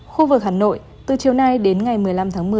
khu vực hà nội từ chiều nay đến ngày một mươi năm tháng một mươi